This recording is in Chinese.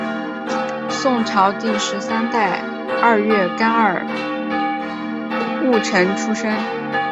宋朝第十三代二月廿二戊辰出生。